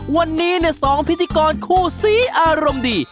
วันนี้๒พิธีกรคู่สีอารมณ์ดี